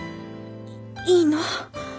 いいの？